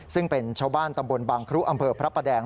ซึ่งเป็นชาวบ้านตำบลบางครุอำเภอพระประแดง